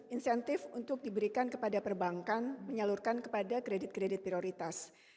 insentif untuk diberikan kepada perbankan menyalurkan kepada kredit kredit prioritas